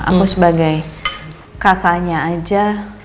aku sebagai kakaknya aja